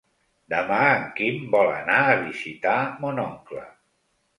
Demà en Quim vol anar a visitar mon oncle.